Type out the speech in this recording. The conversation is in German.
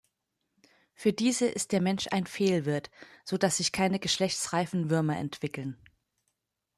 Für diese ist der Mensch ein Fehlwirt, sodass sich keine geschlechtsreifen Würmer entwickeln.